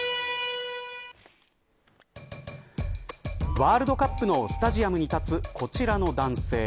ワールドカップのスタジアムに立つこちらの男性。